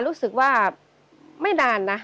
รู้สึกว่าไม่นานนะ